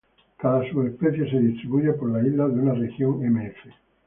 Cada subespecie se distribuye por las islas de una región: "M.f.